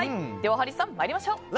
ハリーさん参りましょう。